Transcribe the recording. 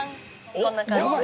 こんな感じです。